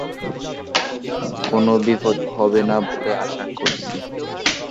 কোনো বিপদ হবে না বলে আশা করছি।